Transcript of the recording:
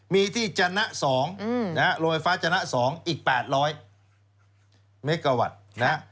มีที่จณะ๒โรงไฟฟ้าจณะ๒อีก๘๐๐เมกาวัตต์